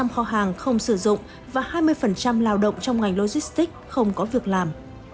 một mươi kho hàng không sử dụng và hai mươi lao động trong ngành logistics không có việc làm